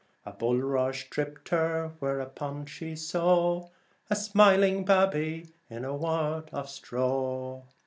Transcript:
A bulrush tripped her, whereupon she saw A smiling babby in a wad o' straw.